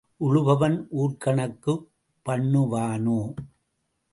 உழுபவன் ஊர்க்கணக்குப் பண்ணுவானோ?